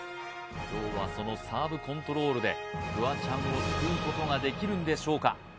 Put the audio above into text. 今日はそのサーブコントロールでフワちゃんを救うことができるんでしょうか？